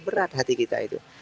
berat hati kita itu